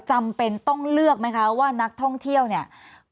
จำเป็นต้องเลือกไหมคะว่านักท่องเที่ยวเนี่ย